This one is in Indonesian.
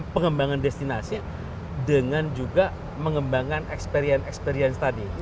pengembangan destinasi dengan juga mengembangkan experience experience tadi